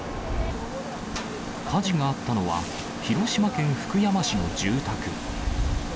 火事があったのは、広島県福山市の住宅。